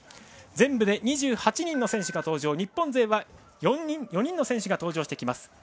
全部で２８人の選手が登場日本勢は４人の選手が登場してきます。